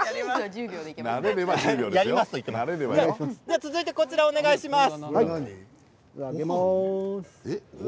続いてこちら、お願いします。